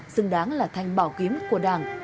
xứng đáng là thanh bảo kiếm của đảng